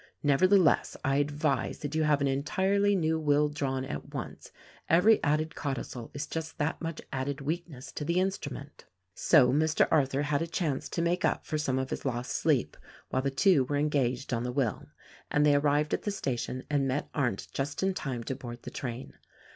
Nevertheless, I advise that you have an entirely new will drawn at once; every added codicil is just that much added weakness to the instrument." So Mr. Arthur had a chance to make up for some of his lost sleep while the two were engaged on the will; and they arrived at the station and met Arndt just in time to board the train.